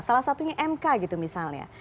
salah satunya mk gitu misalnya